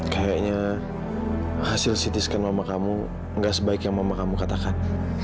kayaknya hasil sitiskan mama kamu gak sebaik yang mama kamu katakan